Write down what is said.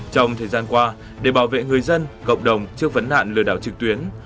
trong thời gian qua để bảo vệ người dân cộng đồng trước vấn nạn lừa đảo trực tuyến